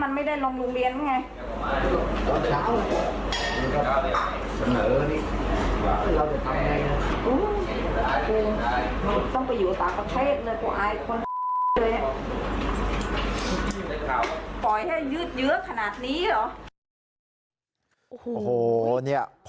ปล่อยให้ยืดเยอะขนาดนี้เหรอ